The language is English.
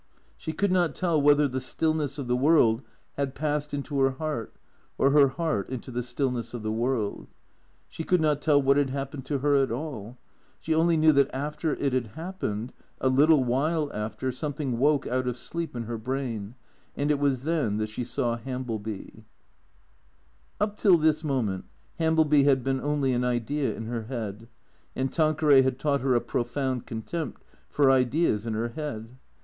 She could not tell whether the stillness of the world had passed into her heart, or her heart into the stillness of the world. She could not tell what had happened to her at all. She only knew that after it had happened, a little while after, something woke out of sleep in her brain, and it was then that she saw Hambleby. Up till this moment Hambleby had been only an idea in her head, and Tanqueray had taught her a profound contempt for ideas in her head.